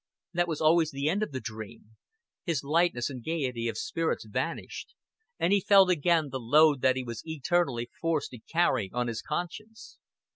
That was always the end of the dream; his lightness and gaiety of spirits vanished, and he felt again the load that he was eternally forced to carry on his conscience.